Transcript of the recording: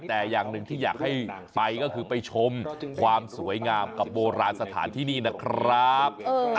แต่อย่างหนึ่งที่อยากให้ไปก็คือไปชมความสวยงามกับโบราณสถานที่นี่นะครับ